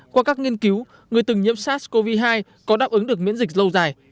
qua các nghiên cứu người từng nhiễm sars cov hai có đáp ứng được miễn dịch lâu dài